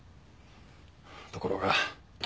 ところが。